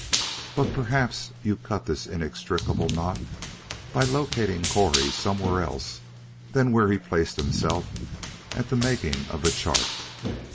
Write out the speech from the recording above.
But perhaps you cut this inextricable knot by locating Correy somewhere else than where he placed himself at the making of the chart."